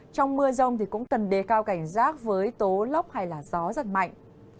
trong mưa rông thì cũng cần đề cao cảnh giác với tố lốc hay là gió rất mạnh